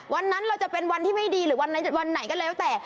วันนั้นเราจะเป็นวันที่ไม่ดีหรือวันไหนก็แล้วแต่